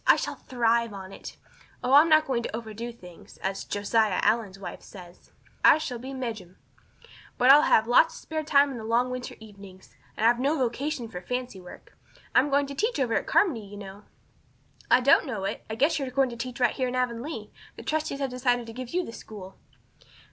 I shall thrive on it. Oh, I'm not going to overdo things. As 'Josiah Allen's wife,' says, I shall be 'mejum'. But I'll have lots of spare time in the long winter evenings, and I've no vocation for fancy work. I'm going to teach over at Carmody, you know." "I don't know it. I guess you're going to teach right here in Avonlea. The trustees have decided to give you the school."